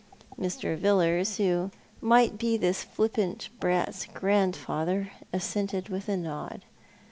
Mr. Villars, who might be this flippant brat's grandfather, assented with a nod.